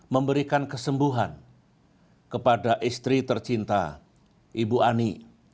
memberikan kesembuhan kepada istri tercinta ibu ani